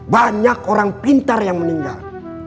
banyak orang pintar yang meninggal